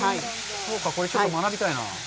そうか、これ、ちょっと学びたいな。